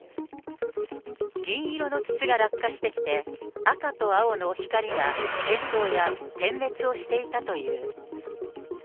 銀色の筒が落下してきて、赤と青の光が点灯や点滅をしていたという。